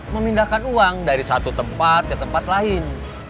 memindahkan uang dari satu tempat ke tempat lain